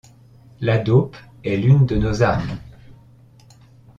La dope est l'une de nos armes.